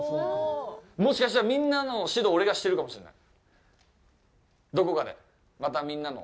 もしかしたら、みんなの指導を俺がしてるかもしれない。